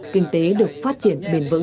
kinh tế được phát triển bền vững